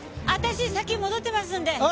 私先に戻ってますので。